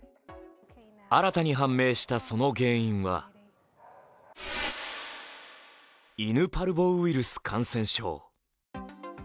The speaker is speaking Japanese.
新たに判明したその原因は犬パルボウイルス感染症。